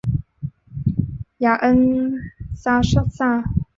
雅恩莎撒。